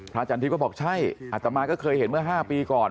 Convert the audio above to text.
อาจารย์ทิพย์ก็บอกใช่อัตมาก็เคยเห็นเมื่อ๕ปีก่อน